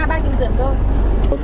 a ba triệu rưỡi thôi